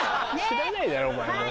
知らないだろお前は。